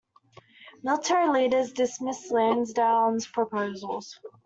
Military leaders dismissed Lansdowne's proposals.